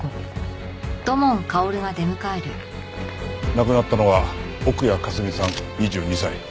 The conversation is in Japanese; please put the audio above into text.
亡くなったのは奥谷香澄さん２２歳。